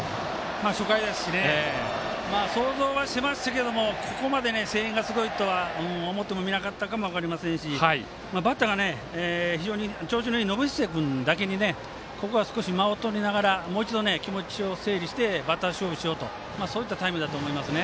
初回ですし想像はしましたけどここまで声援がすごいとは思ってもみなかったかも分かりませんしバッターが非常に調子のいい延末君だけに間をとりながらもう一度、気持ちを整理してバッター勝負しようというタイムだと思いますね。